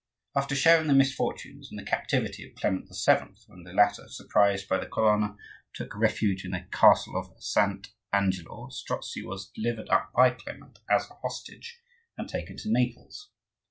After sharing the misfortunes and the captivity of Clement VII. when the latter, surprised by the Colonna, took refuge in the Castle of Saint Angelo, Strozzi was delivered up by Clement as a hostage and taken to Naples.